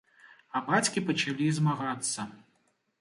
А бацькі пачалі змагацца.